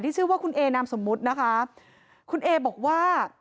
ชื่อว่าคุณเอนามสมมุตินะคะคุณเอบอกว่า